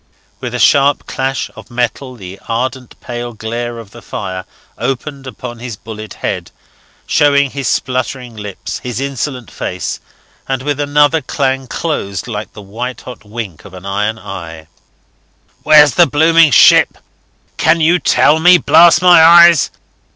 With a sharp clash of metal the ardent pale glare of the fire opened upon his bullet head, showing his spluttering lips, his insolent face, and with another clang closed like the white hot wink of an iron eye. "Where's the blooming ship? Can you tell me? blast my eyes!